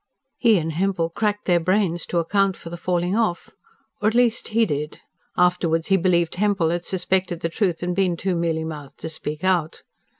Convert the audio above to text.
He and Hempel cracked their brains to account for the falling off or at least he did: afterwards he believed Hempel had suspected the truth and been too mealy mouthed to speak out.